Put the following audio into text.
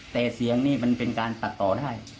แต่เสียงนี่มันเป็นการตัดต่อได้